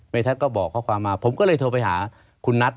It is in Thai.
ทัศน์ก็บอกข้อความมาผมก็เลยโทรไปหาคุณนัท